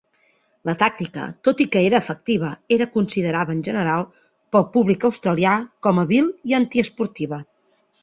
La tàctica, tot i que era efectiva, era considerada en general pel públic australià com a vil i antiesportiva.